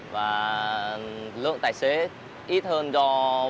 và lượng tài xế ít hơn do về quê thì lượng đơn mình sẽ nhiều hơn